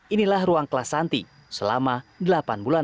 inilah ruang kelas santi selama delapan bulan